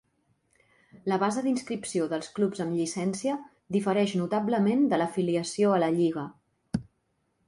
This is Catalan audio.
La base d'inscripció dels clubs amb llicència difereix notablement de l'afiliació a la Lliga.